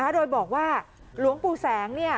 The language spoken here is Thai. โดยบอกว่าหลวงปู่แสง